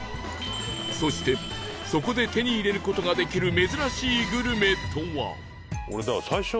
そしてそこで手に入れる事ができる珍しいグルメとは？